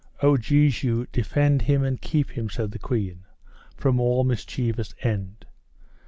O Jesu defend him and keep him, said the queen, from all mischievous end.